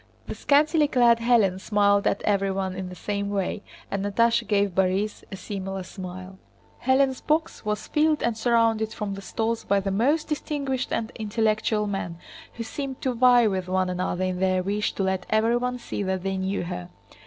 The scantily clad Hélène smiled at everyone in the same way, and Natásha gave Borís a similar smile. Hélène's box was filled and surrounded from the stalls by the most distinguished and intellectual men, who seemed to vie with one another in their wish to let everyone see that they knew her.